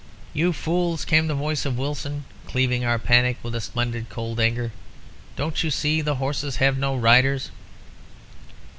"'You fools!' came the voice of Wilson, cleaving our panic with a splendid cold anger. 'Don't you see? the horses have no riders!'